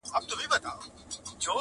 هم یې پلار ننه ایستلی په زندان وو،